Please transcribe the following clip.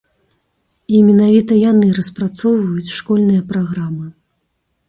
І менавіта яны распрацоўваюць школьныя праграмы.